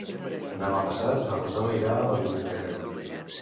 Demà passat na Rosó irà a la biblioteca.